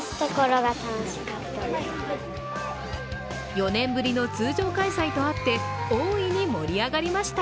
４年ぶりの通常開催とあって、大いに盛り上がりました。